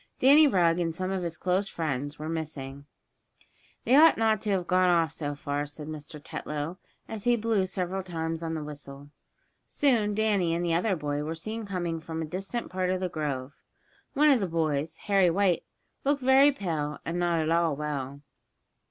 Danny Rugg and some of his close friends were missing. "They ought not to have gone off so far," said Mr. Tetlow, as he blew several times on the whistle. Soon Danny and the other boy, were seen coming from a distant part of the grove. One of the boys, Harry White, looked very pale, and not at all well.